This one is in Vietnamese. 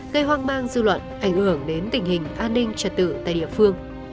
gây hoang mang dư luận ảnh hưởng đến tình hình an ninh trật tự tại địa phương